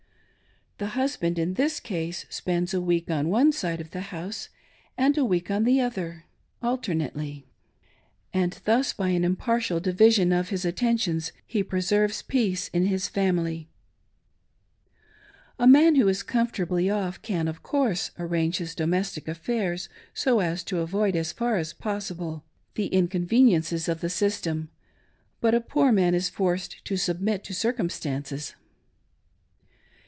The husband in this case spends a week on one side of the house and a week on the other. BUILDING UP THE "KINGDOM." 467 alternately ; and thus, by an impartial division of his attentions, he preserves peace in his family, A man who is comfortably off can, of course, arrange his domestic affairs so as to avoid, as far as is possible, th? inconveniences of the system, but ,a poor man is forced to submit to circumstances.